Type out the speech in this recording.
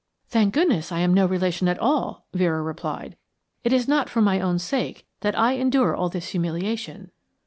"Thank goodness, I am no relation at all," Vera replied. "It is not for my own sake that I endure all this humiliation."